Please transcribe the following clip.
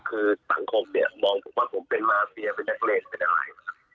คือต่างครบเนี่ยมองถูกว่าผมเป็นมาเฟียเป็นแบทเลนส์เป็นอะไร